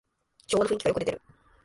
昭和の雰囲気がよく出てる